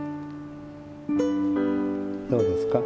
どうですか？